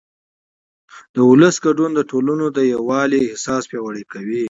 د ولس ګډون د ټولنې د یووالي احساس پیاوړی کوي